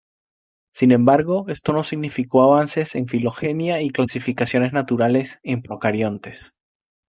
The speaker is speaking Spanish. Sin embargo esto no significó avances en filogenia y clasificaciones naturales en procariontes.